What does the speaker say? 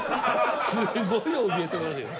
すごいおびえてますよ。